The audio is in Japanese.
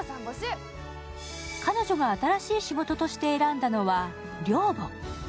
彼女が新しい仕事として選んだのは寮母。